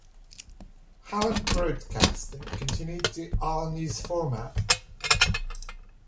Helen Broadcasting continued the all-news format.